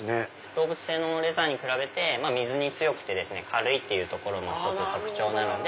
動物性のレザーに比べて水に強くて軽いっていうところも１つ特徴なので。